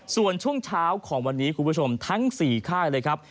ส่วนช่วงเช้าของวันนี้ทั้ง๔ค่ายเลยครับ